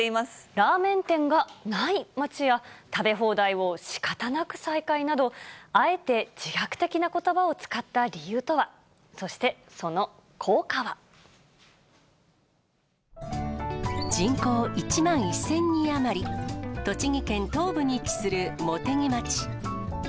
ラーメン店がない町や、食べ放題を仕方なく再開など、あえて自虐的なことばを使った理人口１万１０００人余り、栃木県東部に位置する茂手木町。